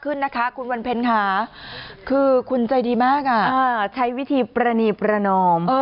ขึ้นนะคะคุณวันเพ็ญค่ะคือคุณใจดีมากใช้วิธีปรณีประนอม